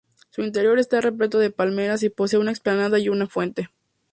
Su interior está repleto de palmeras y posee una explanada y una fuente.